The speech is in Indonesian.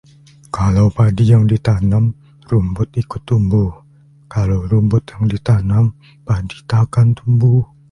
Kalau padi yang ditanam, rumput ikut tumbuh; Kalau rumput yang ditanam, padi takkan tumbuh